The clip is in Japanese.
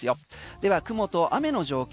では雲と雨の状況